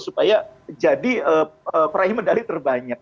supaya jadi peraih medali terbanyak